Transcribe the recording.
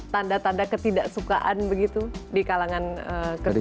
tanda tanda ketidaksukaan begitu di kalangan kerja